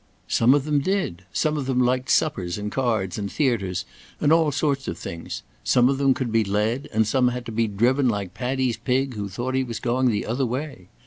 "Some of them did. Some of them liked suppers and cards and theatres and all sorts of things. Some of them could be led, and some had to be driven like Paddy's pig who thought he was going the other way.